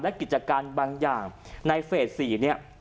และกิจการบางอย่างในเฟส๔เนี่ย